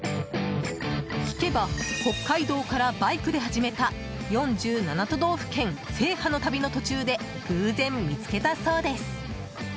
聞けば北海道からバイクで始めた４７都道府県制覇の旅の途中で偶然見つけたそうです。